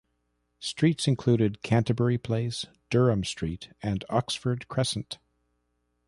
Streets included Canterbury Place, Durham Street, and Oxford Crescent.